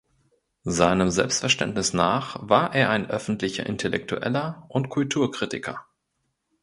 Seinem Selbstverständnis nach war er ein „öffentlicher Intellektueller“ und Kulturkritiker.